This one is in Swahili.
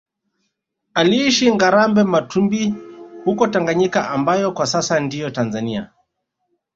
Aliishi Ngarambe Matumbi huko Tanganyika ambayo kwa sasa ndiyo Tanzania